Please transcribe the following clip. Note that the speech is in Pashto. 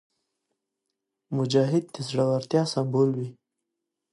مجاهد د زړورتیا سمبول وي.